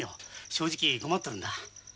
正直困ってるんだ。